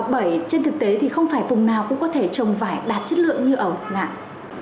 bởi trên thực tế thì không phải vùng nào cũng có thể trồng vải đạt chất lượng như ở lục ngạn